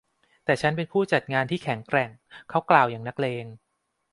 แต่ฉันเป็นผู้จัดงานที่แข็งแกร่ง เขากล่าวอย่างนักเลง